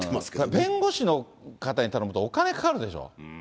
弁護士の方に頼むとお金かかるでしょ。